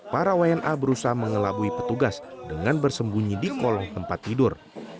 para wna berusaha mengelabui petugas dengan bersembunyi di kolong tempat tidur